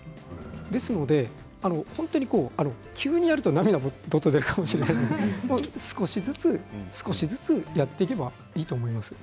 ですので本当に急にやると涙もどっと出るかもしれませんが少しずつ少しずつやっていけばいいと思います。